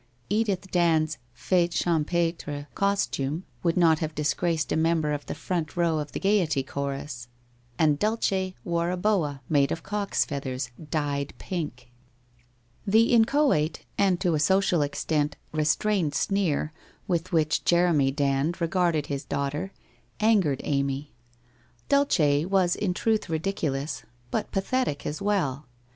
Edith Dand's fete champetre costume would not have disgraced a member of the front row of the Gaiety chorus, and Dulce wore a boa made of cock's feathers, dyed pink. The inchoate, and to a social extent, restrained sneer with which Jeremy Dand regarded his daughter, angered Amy. Dulce was in truth ridiculous, but pathetic as well.